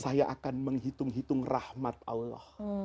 saya akan menghitung hitung rahmat allah